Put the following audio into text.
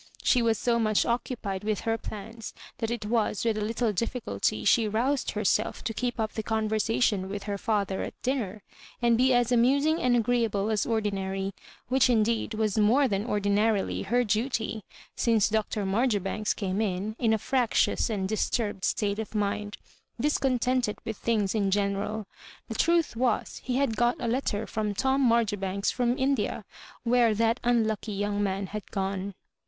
She was so much occupied with her plans that it was with a little difficulty she roused herself to keep up the conversation with her father at dinner, and be as amusing and agreeable as ordinary ; which indeed was more than ordinarily her duty, since Dr. Marjoribanks came in, in a fractious and dis turbed state of mind, discontented with thing s in general The truth was, he had got a letter firom Tom Marjoribanks from India, where that unlucky young man had gone.